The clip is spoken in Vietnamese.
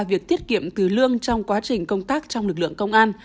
việc tiết kiệm từ lương trong quá trình công tác trong lực lượng công an